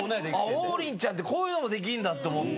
王林ちゃんってこういうのもできんだって思って。